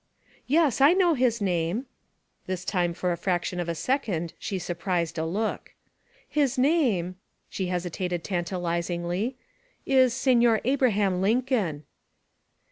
'Yes, I know his name.' This time for the fraction of a second she surprised a look. 'His name' she hesitated tantalizingly 'is Signor Abraham Lincoln.'